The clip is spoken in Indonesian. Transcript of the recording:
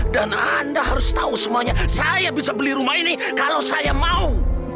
dan anda harus tahu semuanya saya bisa beli rumah ini kalau saya mau